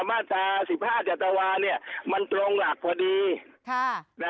มาตรสิบห้าจตวาเนี่ยมันตรงหลักพอดีครับ